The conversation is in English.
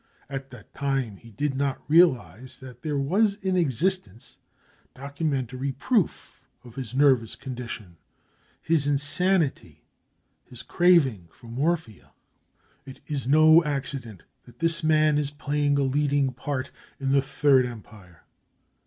At that time he did not realise that there was in existence documentary proof of his nervous condi tion, his insanity, his craving for morphia. It is no accident that this man is playing a leading part in the Third Empire.